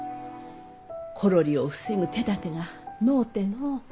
コロリを防ぐ手だてがのうてのう。